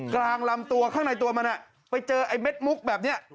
กลางลำตัวข้างในตัวมันไปเจอไอ้เม็ดมุกแบบนี้